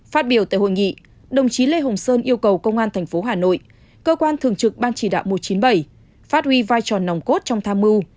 phát biểu tại hội nghị đồng chí lê hồng sơn yêu cầu công an tp hà nội cơ quan thường trực ban chỉ đạo một trăm chín mươi bảy phát huy vai trò nòng cốt trong tham mưu